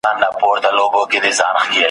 بیا نو که هر څومره قوي پیغام هم ولري !.